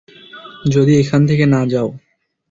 যদি এখান থেকে না যাও?